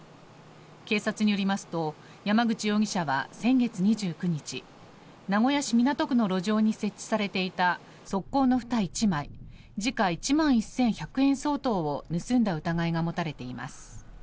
警察によりますと山口容疑者は先月２９日名古屋市港区の路上に設置されていた側溝のふた１枚時価１万１１００円相当を盗んだ疑いが持たれています。